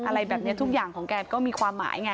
อะไรแบบนี้ทุกอย่างของแกก็มีความหมายไง